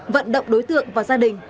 vận động đối tượng và gia đình